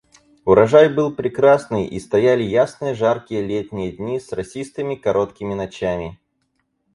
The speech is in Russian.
Урожай был прекрасный, и стояли ясные, жаркие летние дни с росистыми короткими ночами.